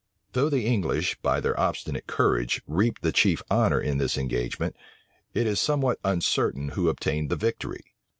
Though the English, by their obstinate courage, reaped the chief honor in this engagement it is somewhat uncertain who obtained the victory.